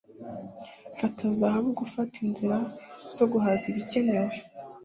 Fata zahabu Gufata inzira zo guhaza ibikenewe